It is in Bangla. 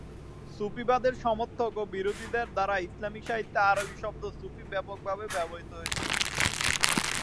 সুফিবাদের সমর্থক ও বিরোধীদের দ্বারা ইসলামিক সাহিত্যে আরবি শব্দ সুফি ব্যাপকভাবে ব্যবহৃত হয়েছে।